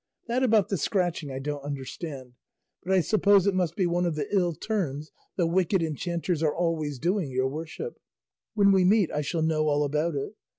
That about the scratching I don't understand; but I suppose it must be one of the ill turns the wicked enchanters are always doing your worship; when we meet I shall know all about it.